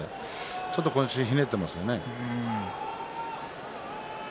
ちょっと腰をひねっていますよね。